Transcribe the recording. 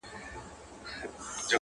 په دغسي شېبو كي عام اوخاص اړوي سـترگي.